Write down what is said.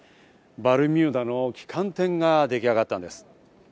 バルミューダの旗艦店ができ上がったんです。